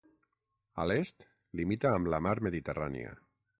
A l'est, limita amb la mar mediterrània.